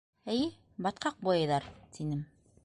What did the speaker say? — Эйе, батҡаҡ буяйҙар, — тинем.